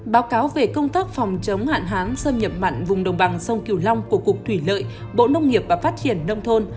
báo cáo về công tác phòng chống hạn hán xâm nhập mặn vùng đồng bằng sông kiều long của cục thủy lợi bộ nông nghiệp và phát triển nông thôn